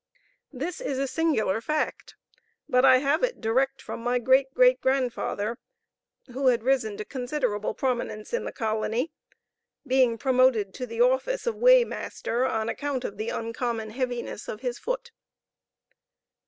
This is a singular fact; but I have it direct from my great great grandfather, who had risen to considerable importance in the colony, being promoted to the office of weigh master, on account of the uncommon heaviness of his foot.